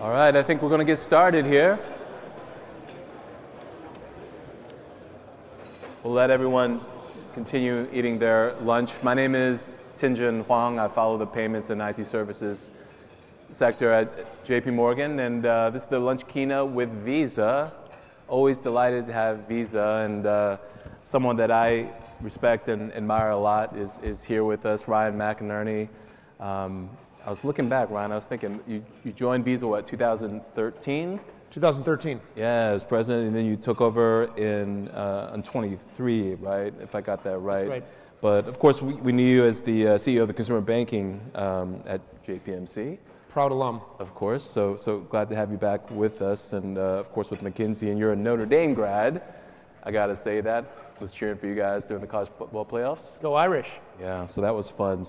All right, I think we're going to get started here. We'll let everyone continue eating their lunch. My name is Tien-tsin Huang. I follow the payments and IT services sector at JPMorgan. This is the Lunch Kino with Visa. Always delighted to have Visa. Someone that I respect and admire a lot is here with us, Ryan McInerney. I was looking back, Ryan. I was thinking, you joined Visa, what, 2013? 2013. Yes, President. And then you took over in 2023, right, if I got that right. That's right. Of course, we knew you as the CEO of the Consumer Banking at JPMC. Proud alum. Of course. So glad to have you back with us. Of course, with McKinsey. And you're a Notre Dame grad. I got to say that. I was cheering for you guys during the college football playoffs. Go Irish. Yeah, that was fun.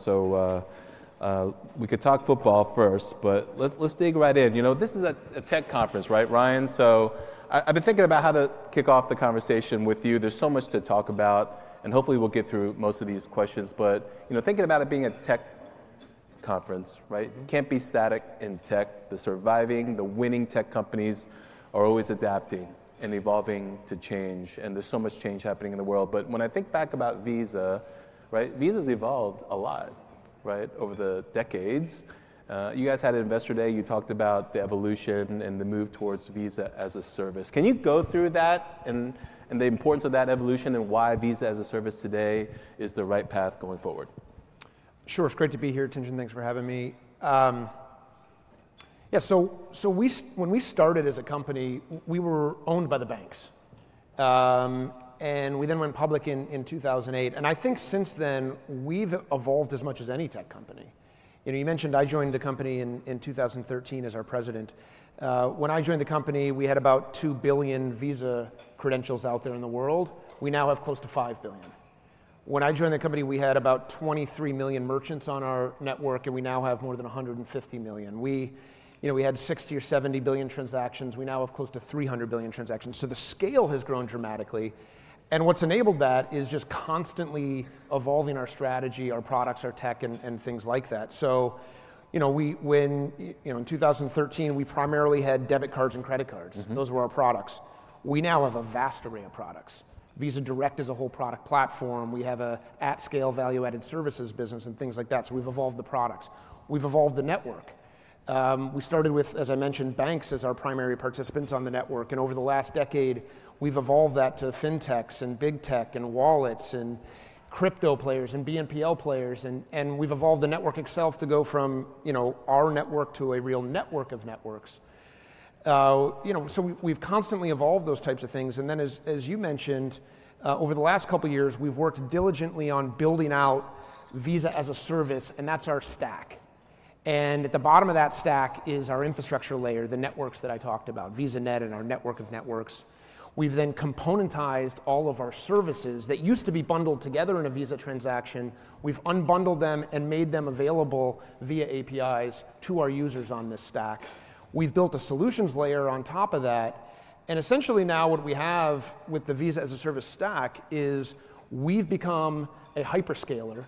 We could talk football first, but let's dig right in. You know, this is a tech conference, right, Ryan? I've been thinking about how to kick off the conversation with you. There's so much to talk about. Hopefully, we'll get through most of these questions. Thinking about it being a tech conference, it can't be static in tech. The surviving, the winning tech companies are always adapting and evolving to change. There's so much change happening in the world. When I think back about Visa, Visa has evolved a lot over the decades. You guys had an Investor Day. You talked about the evolution and the move towards Visa as a service. Can you go through that and the importance of that evolution and why Visa as a service today is the right path going forward? Sure. It's great to be here, Tien-tsin Huang. Thanks for having me. Yeah, so when we started as a company, we were owned by the banks. We then went public in 2008. I think since then, we've evolved as much as any tech company. You mentioned I joined the company in 2013 as our president. When I joined the company, we had about two billion Visa credentials out there in the world. We now have close to five billion. When I joined the company, we had about 23 million merchants on our network. We now have more than 150 million. We had 60 billion or 70 billion transactions. We now have close to 300 billion transactions. The scale has grown dramatically. What's enabled that is just constantly evolving our strategy, our products, our tech, and things like that. In 2013, we primarily had debit cards and credit cards. Those were our products. We now have a vast array of products. Visa Direct is a whole product platform. We have an at-scale value-added services business and things like that. We have evolved the products. We have evolved the network. We started with, as I mentioned, banks as our primary participants on the network. Over the last decade, we have evolved that to Fintechs and Big Tech and wallets and crypto players and BNPL players. We have evolved the network itself to go from our network to a real network of networks. We have constantly evolved those types of things. As you mentioned, over the last couple of years, we have worked diligently on building out Visa as a service. That is our stack. At the bottom of that stack is our infrastructure layer, the networks that I talked about, VisaNet and our network of networks. We have then componentized all of our services that used to be bundled together in a Visa transaction. We have unbundled them and made them available via APIs to our users on this stack. We have built a solutions layer on top of that. Essentially, now what we have with the Visa as a service stack is we have become a hyperscaler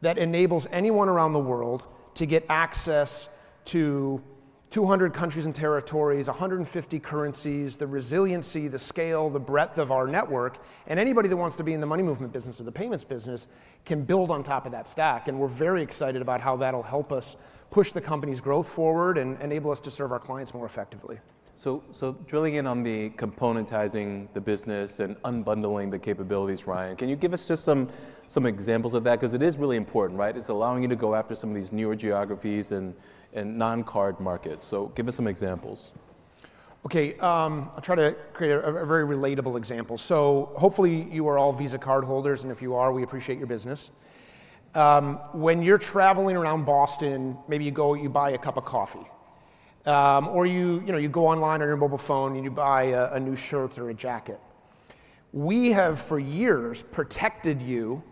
that enables anyone around the world to get access to 200 countries and territories, 150 currencies, the resiliency, the scale, the breadth of our network. Anybody that wants to be in the money movement business or the payments business can build on top of that stack. We are very excited about how that will help us push the company's growth forward and enable us to serve our clients more effectively. Drilling in on the componentizing the business and unbundling the capabilities, Ryan, can you give us just some examples of that? Because it is really important, right? It's allowing you to go after some of these newer geographies and non-card markets. Give us some examples. OK, I'll try to create a very relatable example. Hopefully, you are all Visa cardholders. If you are, we appreciate your business. When you're traveling around Boston, maybe you go and you buy a cup of coffee. Or you go online on your mobile phone and you buy a new shirt or a jacket. We have, for years, protected you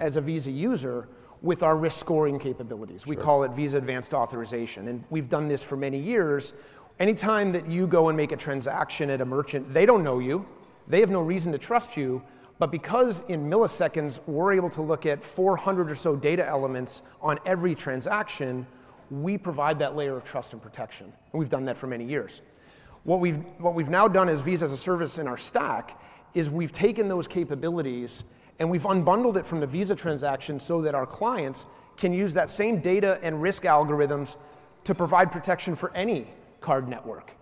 as a Visa user with our risk scoring capabilities. We call it Visa Advanced Authorization. We've done this for many years. Any time that you go and make a transaction at a merchant, they don't know you. They have no reason to trust you. Because in milliseconds, we're able to look at 400 or so data elements on every transaction, we provide that layer of trust and protection. We've done that for many years. What we've now done as Visa as a service in our stack is we've taken those capabilities and we've unbundled it from the Visa transaction so that our clients can use that same data and risk algorithms to provide protection for any card network.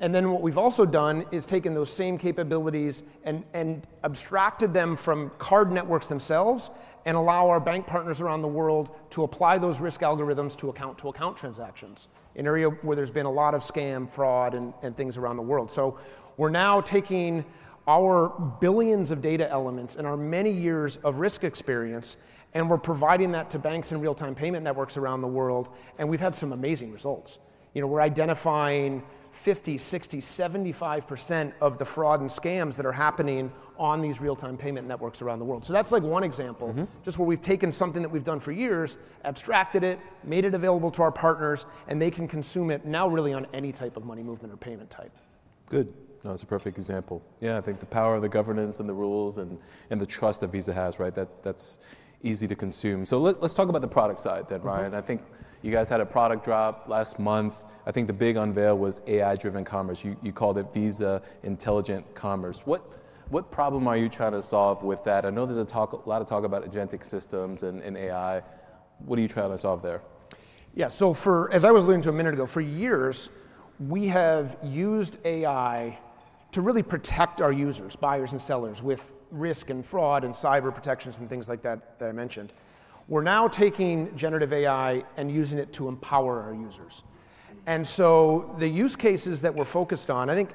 What we've also done is taken those same capabilities and abstracted them from card networks themselves and allow our bank partners around the world to apply those risk algorithms to account-to-account transactions in an area where there's been a lot of scam, fraud, and things around the world. We're now taking our billions of data elements and our many years of risk experience, and we're providing that to banks and real-time payment networks around the world. We've had some amazing results. We're identifying 50%, 60%, 75% of the fraud and scams that are happening on these real-time payment networks around the world. That's like one example, just where we've taken something that we've done for years, abstracted it, made it available to our partners, and they can consume it now really on any type of money movement or payment type. Good. No, that's a perfect example. Yeah, I think the power of the governance and the rules and the trust that Visa has, right, that's easy to consume. Let's talk about the product side then, Ryan. I think you guys had a product drop last month. I think the big unveil was AI-driven commerce. You called it Visa Intelligent Commerce. What problem are you trying to solve with that? I know there's a lot of talk about agentic systems and AI. What are you trying to solve there? Yeah, as I was alluding to a minute ago, for years, we have used AI to really protect our users, buyers and sellers, with risk and fraud and cyber protections and things like that that I mentioned. We're now taking generative AI and using it to empower our users. The use cases that we're focused on, I think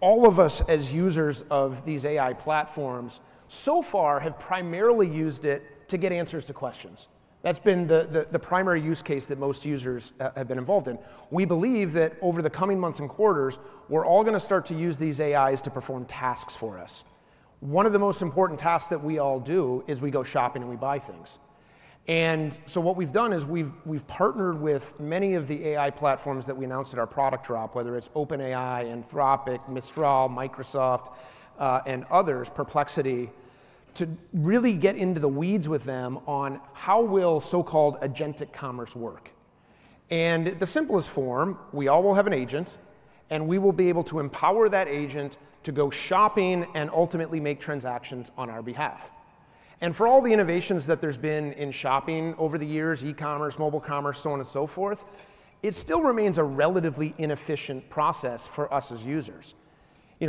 all of us as users of these AI platforms so far have primarily used it to get answers to questions. That's been the primary use case that most users have been involved in. We believe that over the coming months and quarters, we're all going to start to use these AIs to perform tasks for us. One of the most important tasks that we all do is we go shopping and we buy things. What we have done is we have partnered with many of the AI platforms that we announced at our product drop, whether it's OpenAI, Anthropic, Mistral, Microsoft, and others, Perplexity, to really get into the weeds with them on how will so-called agentic commerce work. In the simplest form, we all will have an agent. We will be able to empower that agent to go shopping and ultimately make transactions on our behalf. For all the innovations that there have been in shopping over the years, e-commerce, mobile commerce, so on and so forth, it still remains a relatively inefficient process for us as users.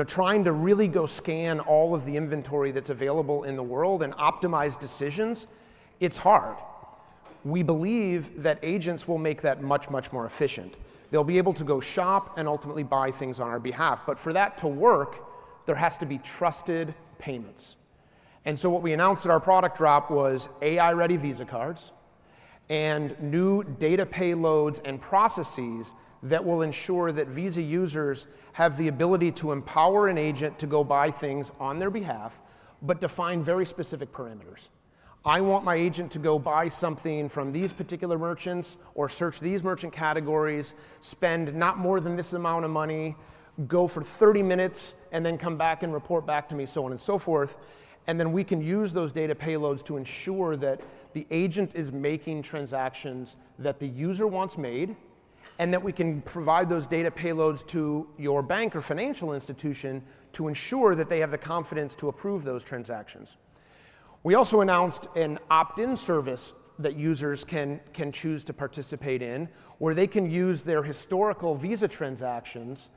Trying to really go scan all of the inventory that is available in the world and optimize decisions, it's hard. We believe that agents will make that much, much more efficient. They will be able to go shop and ultimately buy things on our behalf. For that to work, there has to be trusted payments. What we announced at our product drop was AI-ready Visa cards and new data payloads and processes that will ensure that Visa users have the ability to empower an agent to go buy things on their behalf, but define very specific parameters. I want my agent to go buy something from these particular merchants or search these merchant categories, spend not more than this amount of money, go for 30 minutes, and then come back and report back to me, so on and so forth. We can use those data payloads to ensure that the agent is making transactions that the user wants made and that we can provide those data payloads to your bank or financial institution to ensure that they have the confidence to approve those transactions. We also announced an opt-in service that users can choose to participate in, where they can use their historical Visa transactions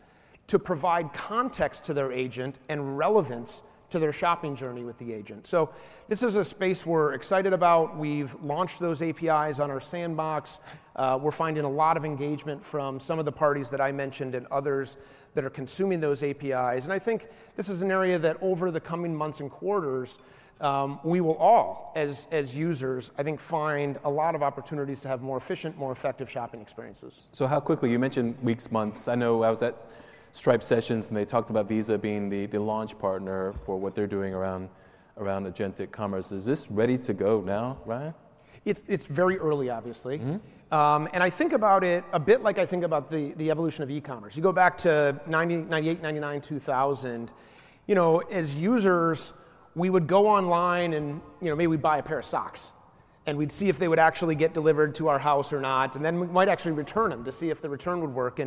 to provide context to their agent and relevance to their shopping journey with the agent. This is a space we're excited about. We've launched those APIs on our sandbox. We're finding a lot of engagement from some of the parties that I mentioned and others that are consuming those APIs. I think this is an area that over the coming months and quarters, we will all, as users, I think, find a lot of opportunities to have more efficient, more effective shopping experiences. How quickly? You mentioned weeks, months. I know I was at Stripe sessions, and they talked about Visa being the launch partner for what they're doing around agentic commerce. Is this ready to go now, Ryan? It's very early, obviously. I think about it a bit like I think about the evolution of e-commerce. You go back to 1998, 1999, 2000. As users, we would go online and maybe we'd buy a pair of socks. We'd see if they would actually get delivered to our house or not. We might actually return them to see if the return would work.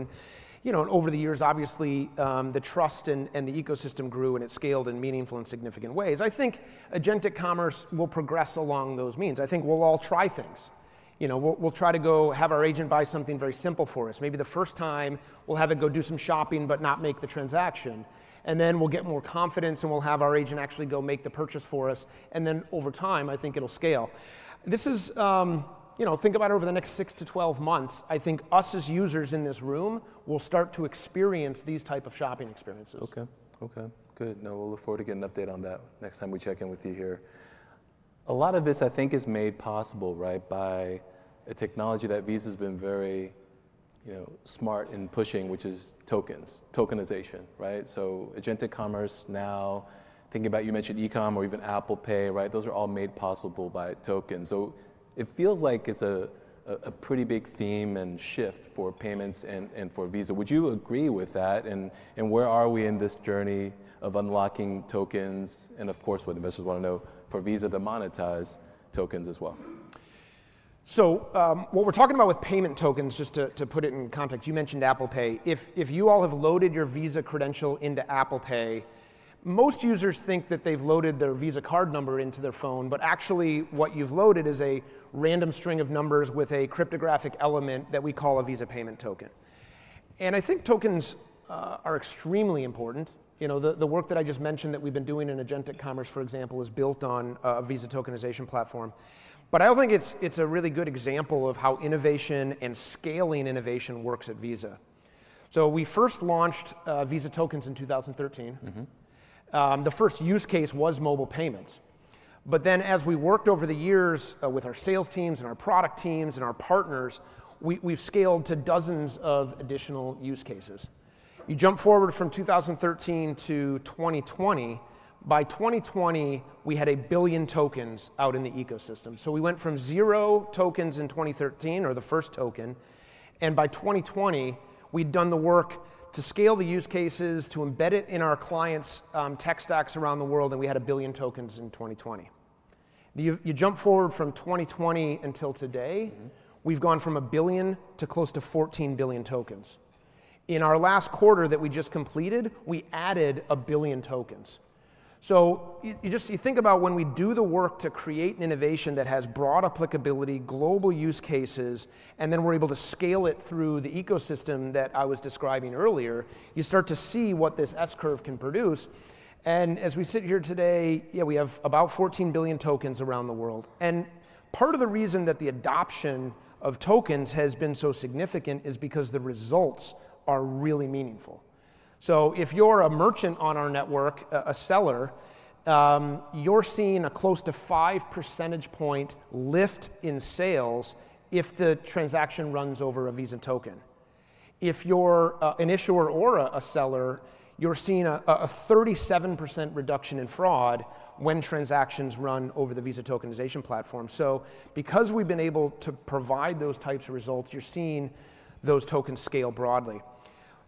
Over the years, obviously, the trust and the ecosystem grew. It scaled in meaningful and significant ways. I think agentic commerce will progress along those means. I think we'll all try things. We'll try to go have our agent buy something very simple for us. Maybe the first time, we'll have it go do some shopping, but not make the transaction. We’ll get more confidence. We'll have our agent actually go make the purchase for us. Over time, I think it'll scale. Think about over the next six to 12 months, I think us as users in this room will start to experience these types of shopping experiences. OK, OK. Good. No, we'll look forward to getting an update on that next time we check in with you here. A lot of this, I think, is made possible by a technology that Visa's been very smart in pushing, which is tokens, tokenization, right? Agentic commerce now, thinking about you mentioned e-comm or even Apple Pay, those are all made possible by tokens. It feels like it's a pretty big theme and shift for payments and for Visa. Would you agree with that? Where are we in this journey of unlocking tokens? Of course, what investors want to know for Visa to monetize tokens as well. What we're talking about with payment tokens, just to put it in context, you mentioned Apple Pay. If you all have loaded your Visa credential into Apple Pay, most users think that they've loaded their Visa card number into their phone. Actually, what you've loaded is a random string of numbers with a cryptographic element that we call a Visa payment token. I think tokens are extremely important. The work that I just mentioned that we've been doing in agentic commerce, for example, is built on a Visa Tokenization platform. I think it's a really good example of how innovation and scaling innovation works at Visa. We first launched Visa Tokens in 2013. The first use case was mobile payments. As we worked over the years with our sales teams and our product teams and our partners, we've scaled to dozens of additional use cases. You jump forward from 2013 to 2020. By 2020, we had a billion tokens out in the ecosystem. We went from zero tokens in 2013, or the first token. By 2020, we'd done the work to scale the use cases, to embed it in our clients' tech stacks around the world. We had a billion tokens in 2020. You jump forward from 2020 until today, we've gone from a billion to close to 14 billion tokens. In our last quarter that we just completed, we added a billion tokens. You think about when we do the work to create an innovation that has broad applicability, global use cases, and then we're able to scale it through the ecosystem that I was describing earlier, you start to see what this S-curve can produce. As we sit here today, we have about 14 billion tokens around the world. Part of the reason that the adoption of tokens has been so significant is because the results are really meaningful. If you're a merchant on our network, a seller, you're seeing a close to five percentage point lift in sales if the transaction runs over a Visa token. If you're an issuer or a seller, you're seeing a 37% reduction in fraud when transactions run over the Visa Tokenization Platform. Because we've been able to provide those types of results, you're seeing those tokens scale broadly.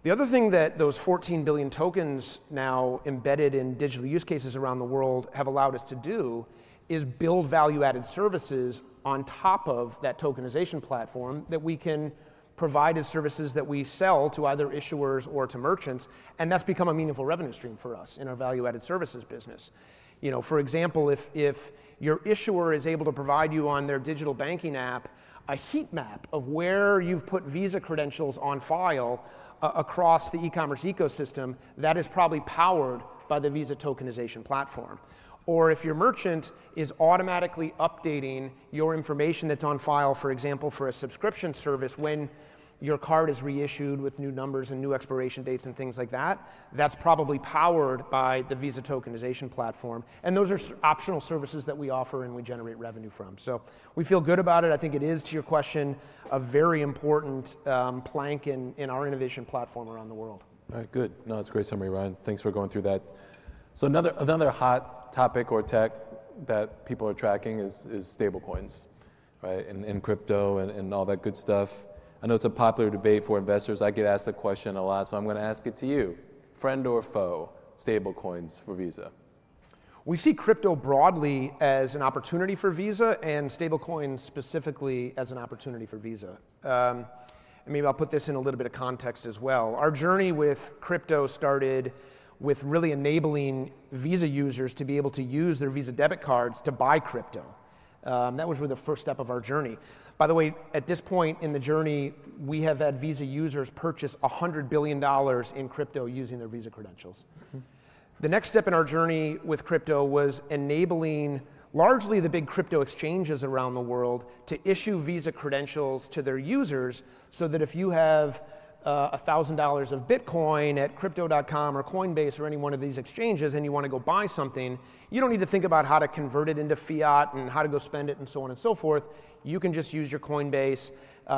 The other thing that those 14 billion tokens now embedded in digital use cases around the world have allowed us to do is build value-added services on top of that tokenization platform that we can provide as services that we sell to either issuers or to merchants. That has become a meaningful revenue stream for us in our value-added services business. For example, if your issuer is able to provide you on their digital banking app a heat map of where you've put Visa credentials on file across the e-commerce ecosystem, that is probably powered by the Visa Tokenization platform. If your merchant is automatically updating your information that's on file, for example, for a subscription service when your card is reissued with new numbers and new expiration dates and things like that, that's probably powered by the Visa Tokenization platform. Those are optional services that we offer and we generate revenue from. We feel good about it. I think it is, to your question, a very important plank in our innovation platform around the world. All right, good. No, that's a great summary, Ryan. Thanks for going through that. Another hot topic or tech that people are tracking is stablecoins and crypto and all that good stuff. I know it's a popular debate for investors. I get asked the question a lot. I'm going to ask it to you. Friend or foe, stablecoins for Visa? We see crypto broadly as an opportunity for Visa and stablecoins specifically as an opportunity for Visa. Maybe I'll put this in a little bit of context as well. Our journey with crypto started with really enabling Visa users to be able to use their Visa debit cards to buy crypto. That was really the first step of our journey. By the way, at this point in the journey, we have had Visa users purchase $100 billion in crypto using their Visa credentials. The next step in our journey with crypto was enabling largely the big crypto exchanges around the world to issue Visa credentials to their users so that if you have $1,000 of Bitcoin at Crypto.com or Coinbase or any one of these exchanges and you want to go buy something, you do not need to think about how to convert it into fiat and how to go spend it and so on and so forth. You can just use your Coinbase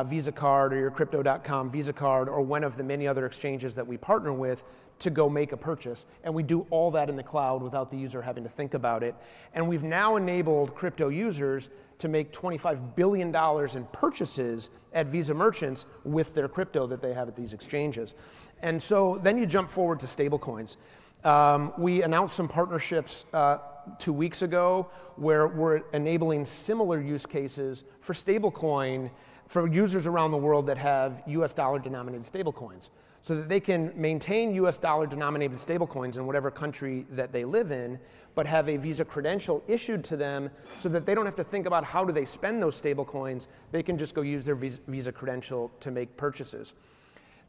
Visa card or your Crypto.com Visa card or one of the many other exchanges that we partner with to go make a purchase. We do all that in the Cloud without the user having to think about it. We have now enabled crypto users to make $25 billion in purchases at Visa merchants with their crypto that they have at these exchanges. Then you jump forward to stablecoins. We announced some partnerships two weeks ago where we're enabling similar use cases for stablecoin for users around the world that have U.S. dollar-denominated stablecoins so that they can maintain U.S. dollar-denominated stablecoins in whatever country that they live in, but have a Visa credential issued to them so that they don't have to think about how do they spend those stablecoins. They can just go use their Visa credential to make purchases.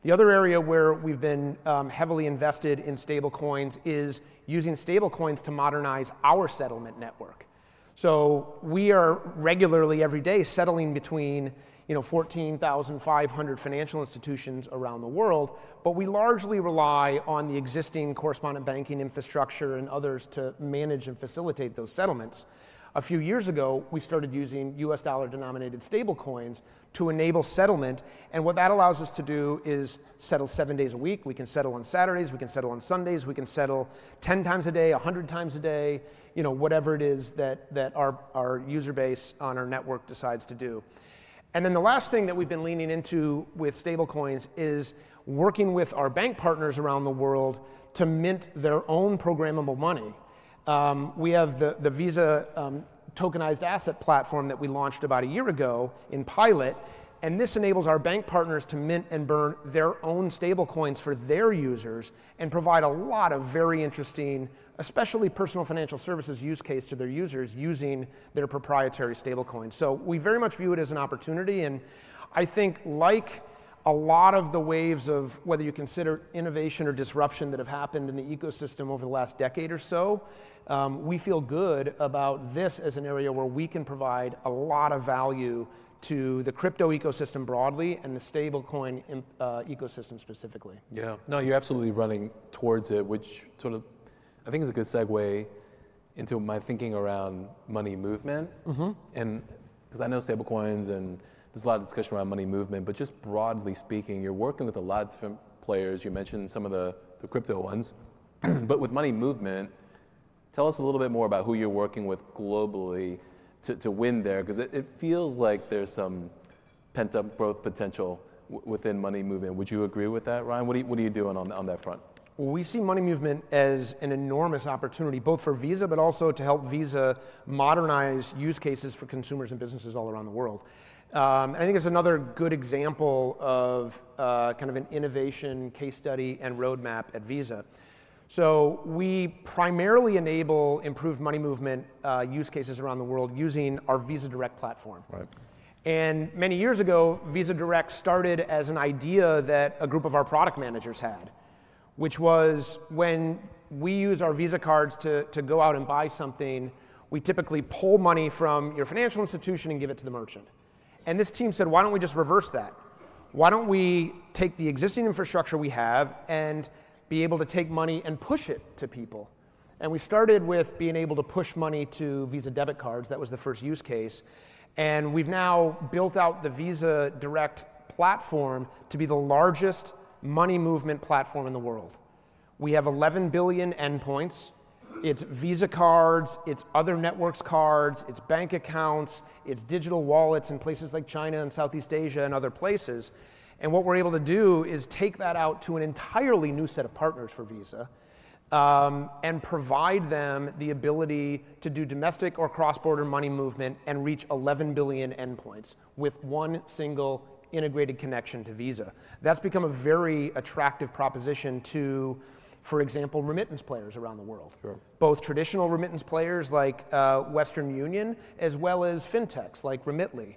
The other area where we've been heavily invested in stablecoins is using stablecoins to modernize our settlement network. We are regularly every day settling between 14,500 financial institutions around the world. We largely rely on the existing correspondent banking infrastructure and others to manage and facilitate those settlements. A few years ago, we started using U.S. dollar-denominated stablecoins to enable settlement. What that allows us to do is settle seven days a week. We can settle on Saturdays. We can settle on Sundays. We can settle 10 times a day, 100 times a day, whatever it is that our user base on our network decides to do. The last thing that we have been leaning into with stablecoins is working with our bank partners around the world to mint their own programmable money. We have the Visa Tokenized Asset Platform that we launched about a year ago in pilot. This enables our bank partners to mint and burn their own stablecoins for their users and provide a lot of very interesting, especially personal financial services use case to their users using their proprietary stablecoins. We very much view it as an opportunity. I think, like a lot of the waves of whether you consider innovation or disruption that have happened in the ecosystem over the last decade or so, we feel good about this as an area where we can provide a lot of value to the crypto ecosystem broadly and the stablecoin ecosystem specifically. Yeah, no, you're absolutely running towards it, which sort of I think is a good segue into my thinking around money movement. Because I know stablecoins and there's a lot of discussion around money movement, but just broadly speaking, you're working with a lot of different players. You mentioned some of the crypto ones. With money movement, tell us a little bit more about who you're working with globally to win there. Because it feels like there's some pent-up growth potential within money movement. Would you agree with that, Ryan? What are you doing on that front? We see money movement as an enormous opportunity, both for Visa, but also to help Visa modernize use cases for consumers and businesses all around the world. I think it's another good example of kind of an innovation case study and roadmap at Visa. We primarily enable improved money movement use cases around the world using our Visa Direct platform. Many years ago, Visa Direct started as an idea that a group of our product managers had, which was when we use our Visa cards to go out and buy something, we typically pull money from your financial institution and give it to the merchant. This team said, why don't we just reverse that? Why don't we take the existing infrastructure we have and be able to take money and push it to people? We started with being able to push money to Visa debit cards. That was the first use case. We have now built out the Visa Direct platform to be the largest money movement platform in the world. We have 11 billion endpoints. It is Visa cards, other networks' cards, bank accounts, and digital wallets in places like China and Southeast Asia and other places. What we are able to do is take that out to an entirely new set of partners for Visa and provide them the ability to do domestic or cross-border money movement and reach 11 billion endpoints with one single integrated connection to Visa. That has become a very attractive proposition to, for example, remittance players around the world, both traditional remittance players like Western Union as well as Fintechs like Remitly.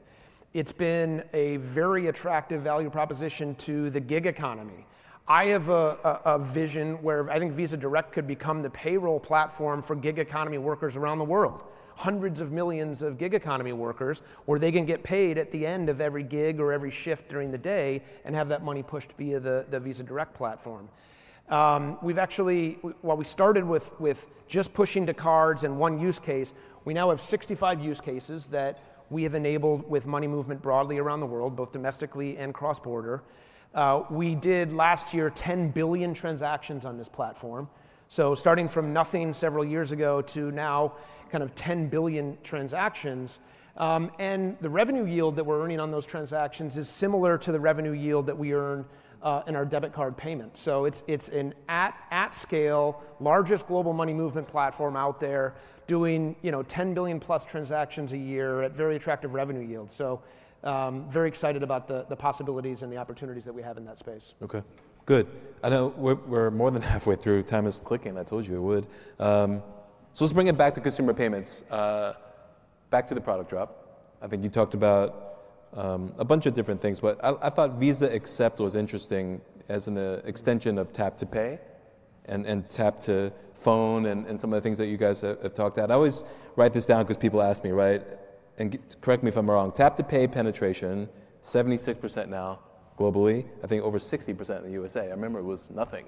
It has been a very attractive value proposition to the gig economy. I have a vision where I think Visa Direct could become the payroll platform for gig economy workers around the world, hundreds of millions of gig economy workers, where they can get paid at the end of every gig or every shift during the day and have that money pushed via the Visa Direct platform. While we started with just pushing to cards and one use case, we now have 65 use cases that we have enabled with money movement broadly around the world, both domestically and cross-border. We did last year 10 billion transactions on this platform. Starting from nothing several years ago to now kind of 10 billion transactions. The revenue yield that we're earning on those transactions is similar to the revenue yield that we earn in our debit card payments. It's an at-scale largest global money movement platform out there doing 10 billion+s transactions a year at very attractive revenue yields. Very excited about the possibilities and the opportunities that we have in that space. OK, good. I know we're more than halfway through. Time is clicking. I told you it would. Let's bring it back to consumer payments, back to the product drop. I think you talked about a bunch of different things. I thought Visa Accept was interesting as an extension of tap to pay and tap to phone and some of the things that you guys have talked at. I always write this down because people ask me, right? Correct me if I'm wrong. Tap to pay penetration, 76% now globally, I think over 60% in the U.S. I remember it was nothing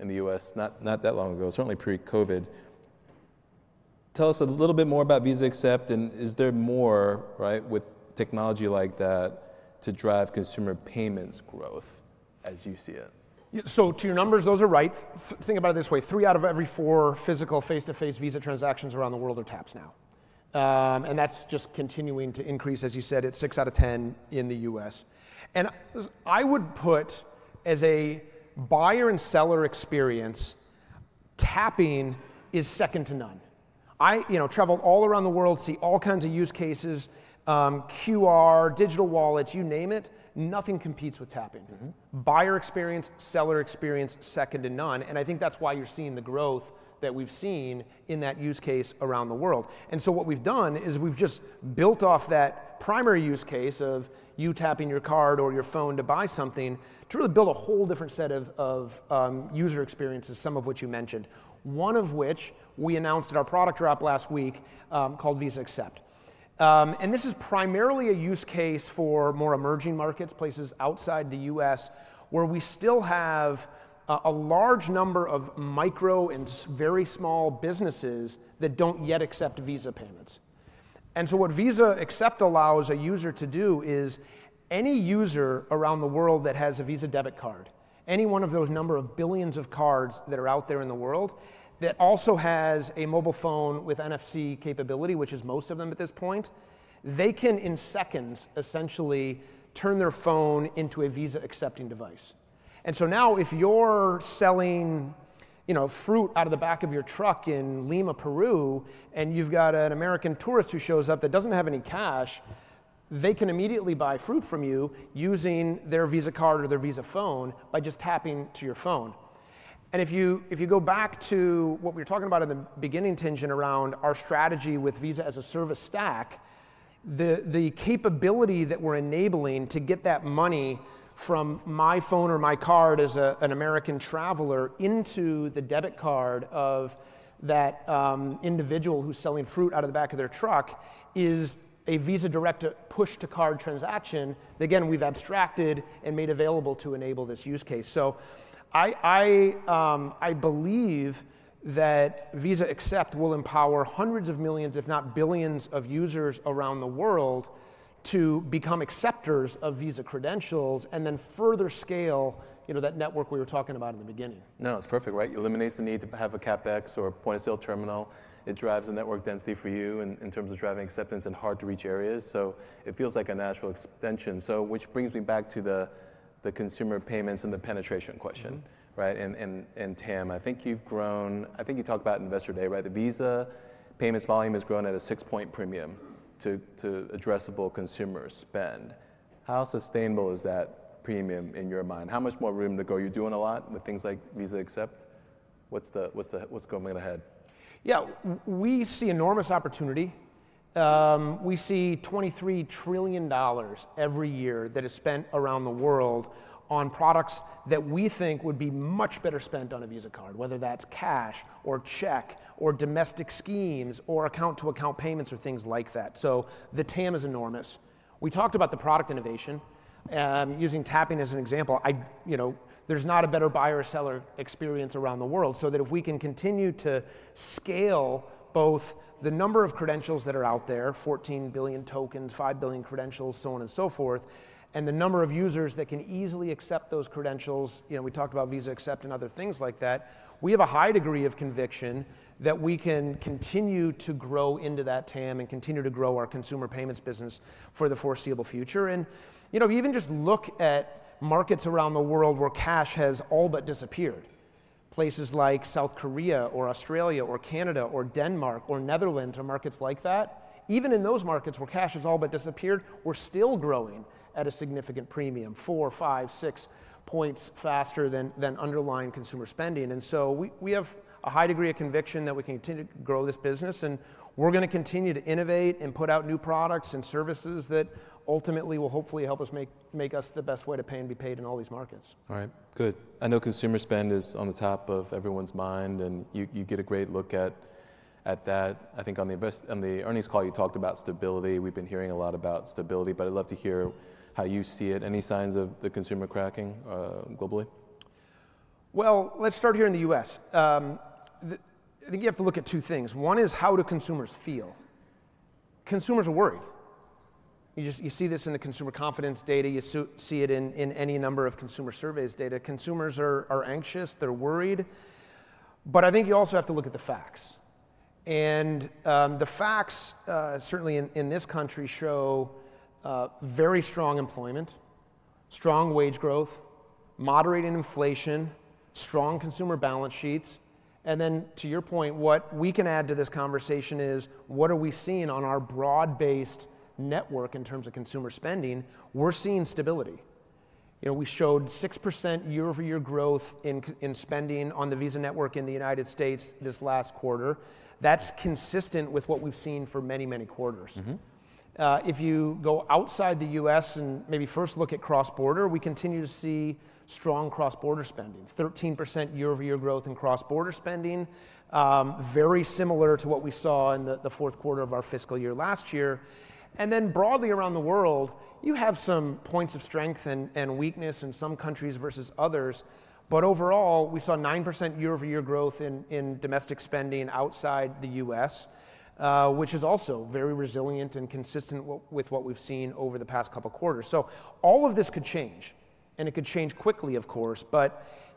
in the U.S. not that long ago, certainly pre-COVID. Tell us a little bit more about Visa Accept. Is there more with technology like that to drive consumer payments growth as you see it? To your numbers, those are right. Think about it this way. Three out of every four physical face-to-face Visa transactions around the world are taps now. That is just continuing to increase, as you said, at 6/10 in the U.S. I would put as a buyer and seller experience, tapping is second to none. I traveled all around the world, see all kinds of use cases, QR, digital wallets, you name it, nothing competes with tapping. Buyer experience, seller experience, second to none. I think that is why you are seeing the growth that we have seen in that use case around the world. What we have done is we have just built off that primary use case of you tapping your card or your phone to buy something to really build a whole different set of user experiences, some of which you mentioned, one of which we announced at our product drop last week called Visa Accept. This is primarily a use case for more emerging markets, places outside the U.S., where we still have a large number of micro and very small businesses that do not yet accept Visa payments. What Visa Accept allows a user to do is any user around the world that has a Visa debit card, any one of those number of billions of cards that are out there in the world that also has a mobile phone with NFC capability, which is most of them at this point, they can in seconds essentially turn their phone into a Visa accepting device. Now if you're selling fruit out of the back of your truck in Lima, Peru, and you've got an American tourist who shows up that doesn't have any cash, they can immediately buy fruit from you using their Visa card or their Visa phone by just tapping to your phone. If you go back to what we were talking about in the beginning tangent around our strategy with Visa as a service stack, the capability that we're enabling to get that money from my phone or my card as an American traveler into the debit card of that individual who's selling fruit out of the back of their truck is a Visa Direct push-to-card transaction that, again, we've abstracted and made available to enable this use case. I believe that Visa Accept will empower hundreds of millions, if not billions, of users around the world to become acceptors of Visa credentials and then further scale that network we were talking about in the beginning. No, it's perfect, right? It eliminates the need to have CapEx or a point of sale terminal. It drives the network density for you in terms of driving acceptance in hard-to-reach areas. It feels like a natural extension. Which brings me back to the consumer payments and the penetration question. TAM, I think you've grown, I think you talked about Investor Day, right? The Visa payments volume has grown at a six-point premium to addressable consumer spend. How sustainable is that premium in your mind? How much more room to go? You're doing a lot with things like Visa Accept. What's going ahead? Yeah, we see enormous opportunity. We see $23 trillion every year that is spent around the world on products that we think would be much better spent on a Visa card, whether that's cash or check or domestic schemes or account-to-account payments or things like that. The TAM is enormous. We talked about the product innovation using tapping as an example. There's not a better buyer or seller experience around the world. If we can continue to scale both the number of credentials that are out there, 14 billion tokens, five billion credentials, so on and so forth, and the number of users that can easily accept those credentials, we talked about Visa Accept and other things like that, we have a high degree of conviction that we can continue to grow into that TAM and continue to grow our consumer payments business for the foreseeable future. Even just look at markets around the world where cash has all but disappeared, places like South Korea or Australia or Canada or Denmark or Netherlands or markets like that. Even in those markets where cash has all but disappeared, we're still growing at a significant premium, four, five, six points faster than underlying consumer spending. We have a high degree of conviction that we can continue to grow this business. We're going to continue to innovate and put out new products and services that ultimately will hopefully help us make us the best way to pay and be paid in all these markets. All right, good. I know consumer spend is on the top of everyone's mind. You get a great look at that. I think on the earnings call, you talked about stability. We've been hearing a lot about stability. I'd love to hear how you see it. Any signs of the consumer cracking globally? Let's start here in the U.S. I think you have to look at two things. One is how do consumers feel? Consumers are worried. You see this in the consumer confidence data. You see it in any number of consumer surveys data. Consumers are anxious. They're worried. I think you also have to look at the facts. The facts, certainly in this country, show very strong employment, strong wage growth, moderating inflation, strong consumer balance sheets. To your point, what we can add to this conversation is what are we seeing on our broad-based network in terms of consumer spending? We're seeing stability. We showed 6% year-over-year growth in spending on the Visa network in the United States this last quarter. That's consistent with what we've seen for many, many quarters. If you go outside the U.S. and maybe first look at cross-border, we continue to see strong cross-border spending, 13% year-over-year growth in cross-border spending, very similar to what we saw in the fourth quarter of our fiscal year last year. Around the world, you have some points of strength and weakness in some countries versus others. Overall, we saw 9% year-over-year growth in domestic spending outside the U.S., which is also very resilient and consistent with what we've seen over the past couple of quarters. All of this could change. It could change quickly, of course. I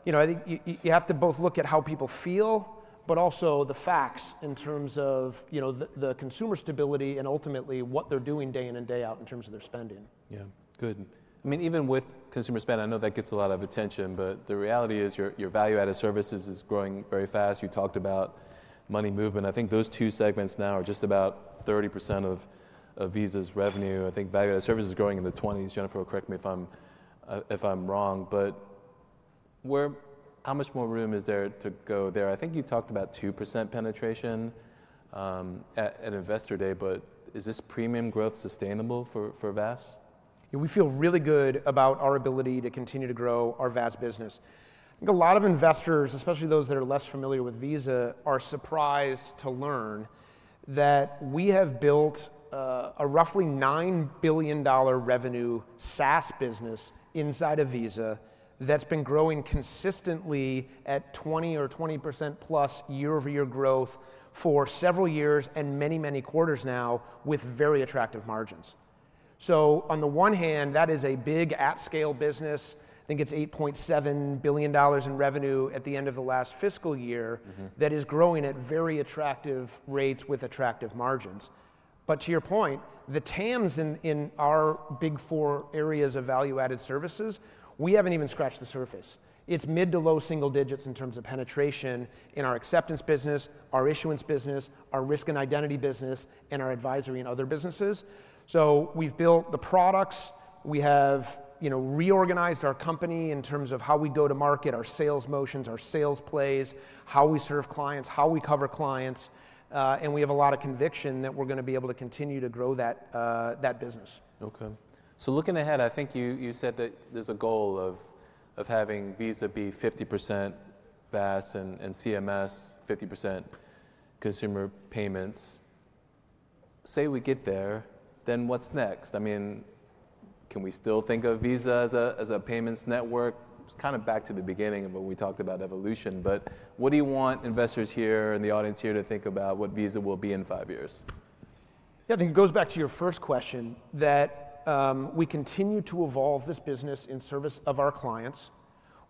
think you have to both look at how people feel, but also the facts in terms of the consumer stability and ultimately what they're doing day in and day out in terms of their spending. Yeah, good. I mean, even with consumer spend, I know that gets a lot of attention. The reality is your value-added services is growing very fast. You talked about money movement. I think those two segments now are just about 30% of Visa's revenue. I think value-added service is growing in the 20s. Jennifer, correct me if I'm wrong. How much more room is there to go there? I think you talked about 2% penetration at Investor Day. Is this premium growth sustainable for VAS? We feel really good about our ability to continue to grow our VAS business. I think a lot of investors, especially those that are less familiar with Visa, are surprised to learn that we have built a roughly $9 billion revenue SaaS business inside of Visa that's been growing consistently at 20% or 20%+ year-over-year growth for several years and many, many quarters now with very attractive margins. On the one hand, that is a big at-scale business. I think it's $8.7 billion in revenue at the end of the last fiscal year that is growing at very attractive rates with attractive margins. To your point, the TAMs in our big four areas of value-added services, we haven't even scratched the surface. It's mid to low single digits in terms of penetration in our acceptance business, our issuance business, our risk and identity business, and our advisory and other businesses. We have built the products. We have reorganized our company in terms of how we go to market, our sales motions, our sales plays, how we serve clients, how we cover clients. We have a lot of conviction that we're going to be able to continue to grow that business. OK. Looking ahead, I think you said that there's a goal of having Visa be 50% VAS and CMS, 50% consumer payments. Say we get there, then what's next? I mean, can we still think of Visa as a payments network? It's kind of back to the beginning of when we talked about evolution. What do you want investors here and the audience here to think about what Visa will be in five years? Yeah, I think it goes back to your first question, that we continue to evolve this business in service of our clients.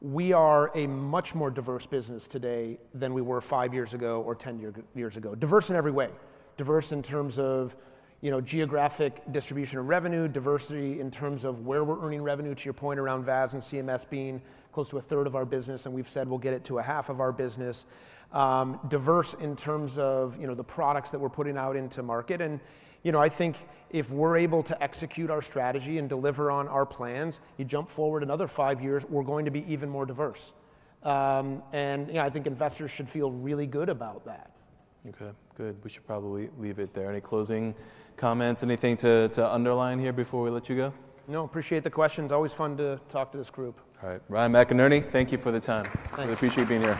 We are a much more diverse business today than we were five years ago or 10 years ago, diverse in every way, diverse in terms of geographic distribution of revenue, diverse in terms of where we're earning revenue to your point around VAS and CMS being close to a third of our business. We've said we'll get it to a half of our business, diverse in terms of the products that we're putting out into market. I think if we're able to execute our strategy and deliver on our plans, you jump forward another five years, we're going to be even more diverse. I think investors should feel really good about that. OK, good. We should probably leave it there. Any closing comments? Anything to underline here before we let you go? No, appreciate the questions. Always fun to talk to this group. All right, Ryan McInerney, thank you for the time. Thanks. Appreciate being here.